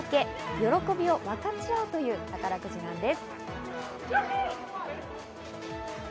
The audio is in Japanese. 喜びを分かち合うという宝くじなんです。